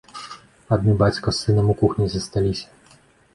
Адны, бацька з сынам, у кухні засталіся.